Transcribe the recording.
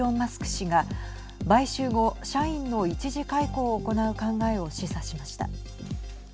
氏が買収後、社員の一時解雇を行う考えを示唆しました。